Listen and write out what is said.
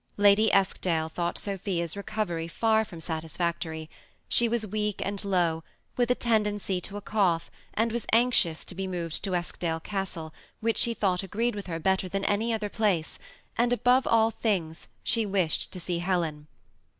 Ladj Eskdale thought Sophia's recoyerj far from satisfactory; she was weak and low, with a tendency to a cough, and was anxious to be moved to Eskdale Castle, which she thought agreed with her better than any other place, and, above all things, she wished to see Helen.